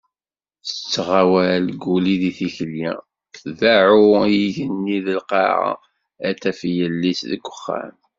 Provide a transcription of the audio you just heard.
Tettɣawal Guli deg tikli, tdeɛɛu i yigenni d lqaɛa ad taf yelli-s deg uxxam.